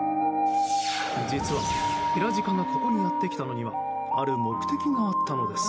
実はヘラジカがここにやってきたのにはある目的があったのです。